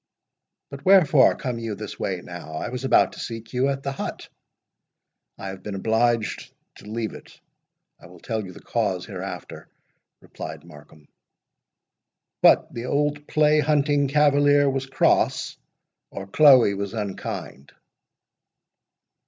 "But wherefore come you this way now? I was about to seek you at the hut." "I have been obliged to leave it—I will tell you the cause hereafter," replied Markham. "What! the old play hunting cavalier was cross, or Chloe was unkind?"